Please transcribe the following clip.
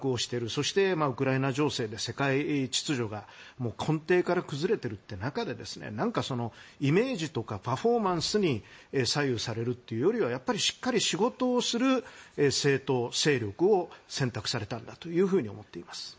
そして、ウクライナ情勢で世界秩序が根底から崩れている中でイメージとかパフォーマンスに左右されるというよりはやはり、しっかり仕事をする政党、勢力を選択されたんだと思っています。